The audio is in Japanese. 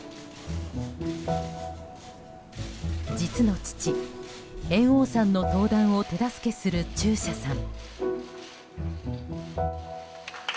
実の父・猿翁さんの登壇を手助けする中車さん。